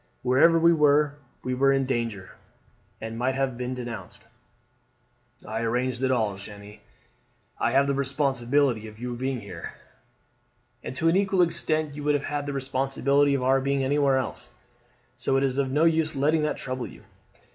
Wherever we were we were in danger, and might have been denounced." "I arranged it all, Jeanne. I have the responsibility of your being here." "And to an equal extent you would have had the responsibility of our being anywhere else. So it is of no use letting that trouble you.